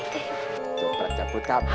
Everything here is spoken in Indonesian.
coprat caput kamu